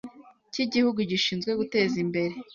cy igihugu gishinzwe guteza imbere